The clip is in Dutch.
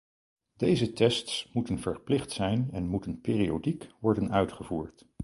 Deze tests moeten verplicht zijn en moeten periodiek worden uitgevoerd.